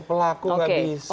pelaku gak bisa